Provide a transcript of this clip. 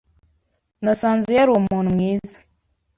Nasanze yari umuntu mwiza.